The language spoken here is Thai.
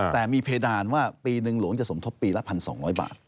แต่มีเพดานว่าปีหนึ่งหลวงจะสมทบปีละ๑๒๐๐บาท